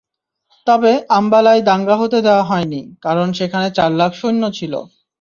তবে আম্বালায় দাঙ্গা হতে দেওয়া হয়নি, কারণ সেখানে চার লাখ সৈন্য ছিল।